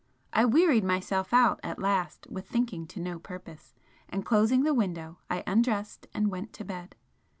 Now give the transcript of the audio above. I wearied myself out at last with thinking to no purpose, and closing the window I undressed and went to bed.